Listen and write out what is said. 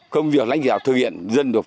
công việc lãnh giả thực hiện dân được